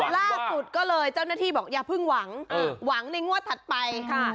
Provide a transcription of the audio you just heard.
ล่าสุดก็เลยเจ้าหน้าที่บอกอย่าเพิ่งหวังหวังในงวดถัดไป